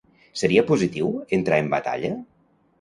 Seria positiu entrar en batalla?